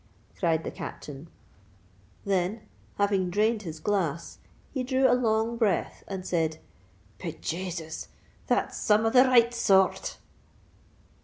cried the Captain: then, having drained his glass, he drew a long breath, and said, "Be Jasus! that's some of the right sor rt!"